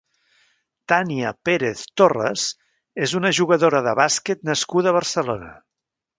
Tania Pérez Torres és una jugadora de bàsquet nascuda a Barcelona.